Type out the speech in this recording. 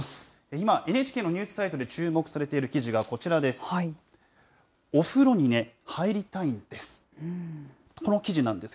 今、ＮＨＫのニュースサイトで注目されている記事がこちらです。